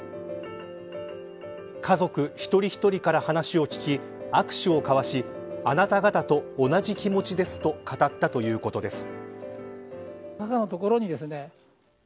家族一人一人から話を聞き握手を交わしあなた方と同じ気持ちですと語ったということです。